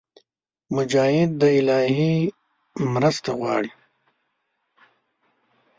مجاهد د الهي مرسته غواړي.